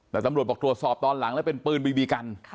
แต่ตำรวจบอกตรวจสอบตอนหลังแล้วเป็นปืนบีบีกัน